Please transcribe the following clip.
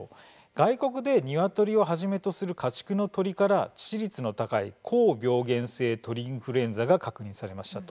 外国でニワトリをはじめとする家畜の鳥から致死率の高い高病原性鳥インフルエンザが確認されましたと。